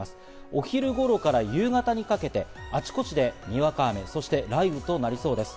お昼頃から夕方にかけてあちこちでにわか雨、そして雷雨となりそうです。